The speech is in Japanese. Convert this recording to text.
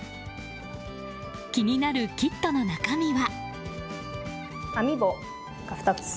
気になるキットの中身は。